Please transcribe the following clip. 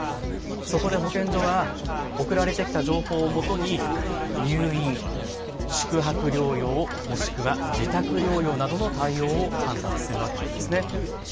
そこで保健所は送られてきた情報をもとに入院、宿泊療養、もしくは自宅療養などの対応を判断するわけなんです。